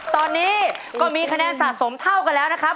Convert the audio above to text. ตอนนี้ก็มีคะแนนสะสมเท่ากันแล้วนะครับ